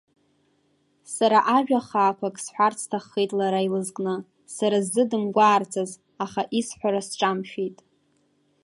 Сара ажәа хаақәак сҳәарц сҭаххеит лара илызкны, сара сзы дымгәаарцаз, аха исҳәара сҿамшәеит.